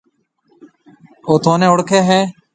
او ٿُونَي اوݪکيَ هيَ۔